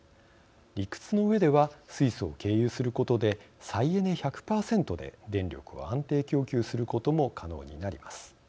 理屈のうえでは水素を経由することで再エネ１００％で電力を安定供給することも可能になります。